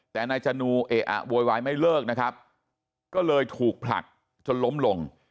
แต่นายจนูเอะอะโวยวายไม่เลิกนะครับก็เลยถูกผลักจนล้มลง